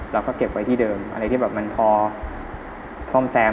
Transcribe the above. เราก็เก็บไว้ที่เดิมอะไรที่แบบมันพอซ่อมแซม